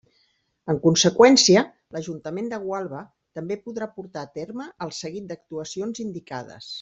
En conseqüència, l'Ajuntament de Gualba també podrà porta a terme el seguit d'actuacions indicades.